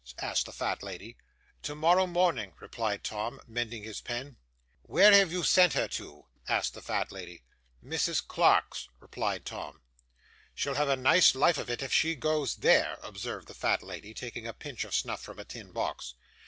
asked the fat lady. 'Tomorrow morning,' replied Tom, mending his pen. 'Where have you sent her to?' asked the fat lady. 'Mrs. Clark's,' replied Tom. 'She'll have a nice life of it, if she goes there,' observed the fat lady, taking a pinch of snuff from a tin box.